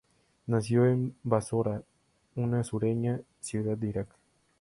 Nació en Basora, una sureña ciudad de Iraq.